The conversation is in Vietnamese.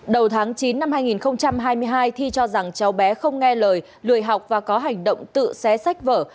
đầu tháng chín năm hai nghìn hai mươi hai thi cho rằng cháu bé không nghe lời lười học và có hành động tự xé sách vở